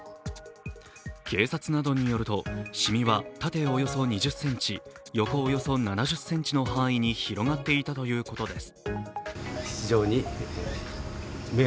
警察などによると染みは縦およそ２０ｃｍ、横およそ７０ｃｍの範囲に広がっていたということです。